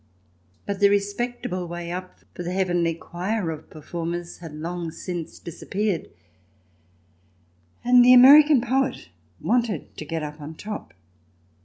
But the re spectable way up for the heavenly choir of performers had long since disappeared, and the American poet wanted to get up on top.